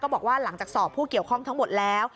บอกว่าหลังจากสอบผู้เกี่ยวข้องทั้งหมดแล้ว